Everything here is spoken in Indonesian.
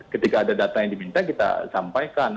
ketika ada data yang diminta kita sampaikan